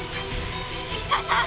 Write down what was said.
石川さん！